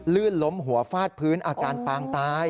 ลื่นล้มหัวฟาดพื้นอาการปางตาย